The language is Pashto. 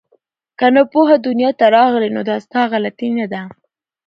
که ناپوه دنیا ته راغلې نو دا ستا غلطي نه ده